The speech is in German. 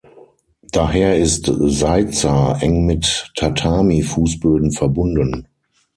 Daher ist „Seiza“ eng mit „Tatami“-Fußböden verbunden.